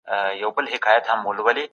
هر حالت ځانګړې نښې لري.